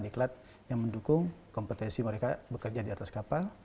diklat yang mendukung kompetensi mereka bekerja di atas kapal